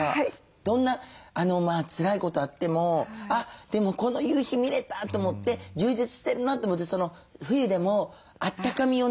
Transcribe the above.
どんなつらいことあっても「あっでもこの夕日見れた」と思って充実してるなと思って冬でもあったかみをね